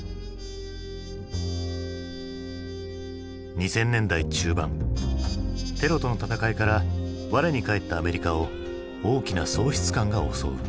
２０００年代中盤テロとの戦いから我に返ったアメリカを大きな喪失感が襲う。